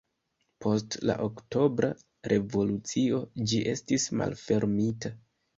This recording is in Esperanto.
Post la Oktobra Revolucio ĝi estis malfermita.